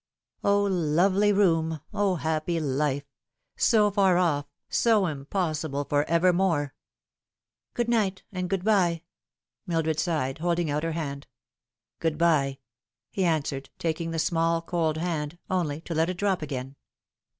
O lovely room, O happy life ; so far off, so impossible for evermore ! "Good night and good bye," Mildred sighed, holding out her hand. " Good bye," he answered, taking the small cold hand, only to let it drop again.